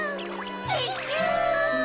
てっしゅう。